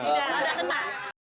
tidak ada kena